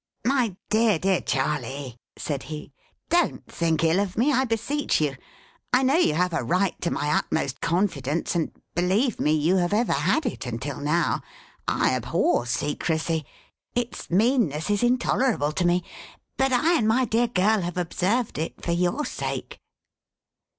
"My dear, dear Charley," said he, "don't think ill of me, I beseech you! I know you have a right to my utmost confidence, and, believe me, you have ever had it until now. I abhor secrecy. Its meanness is intolerable to me. But I and my dear girl have observed it for your sake."